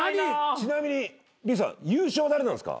ちなみにビフさん優勝誰なんすか？